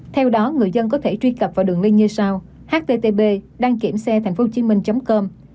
theo đó người dân có thể truy cập vào đường link như sau http dankiemxethanpho hcm com